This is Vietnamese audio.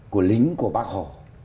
của lính của bác hồ